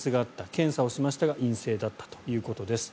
検査をしましたが陰性だったということです。